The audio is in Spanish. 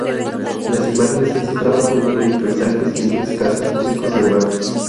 Las imágenes en su trabajo incluyen paisajes, niños, casas, músicos y amantes.